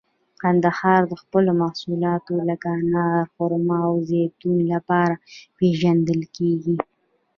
کندهار د خپلو محصولاتو لکه انار، خرما او زیتون لپاره پیژندل کیږي.